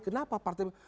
kenapa partai besar